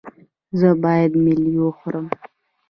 ایا زه باید ملی وخورم؟